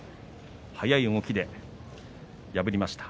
速い動きで破りました。